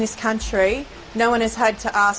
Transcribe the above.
tidak ada yang telah meminta kebenaran